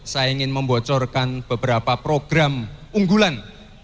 saya ingin membocorkan beberapa program unggulan